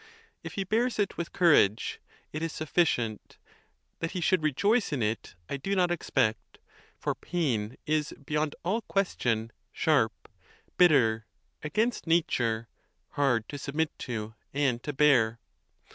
If he bears it with courage, it is suffi cient: that he should rejoice in it, I do not expect; for pain is, beyond all question, sharp, bitter, against nature, hard to scbmit to and to bear.